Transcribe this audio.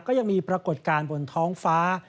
ก็ยังมีปรากฏการณ์บนท้องฟ้า